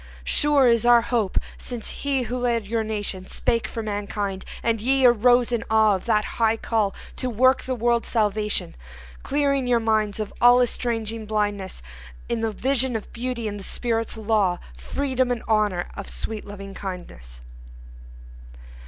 Sure is our hope since he who led your nation Spake for mankind, and ye arose in awe Of that high call to work the world's salvation; Clearing your minds of all estranging blindness In the vision of Beauty and the Spirit's law, Freedom and Honor and sweet Loving kindness.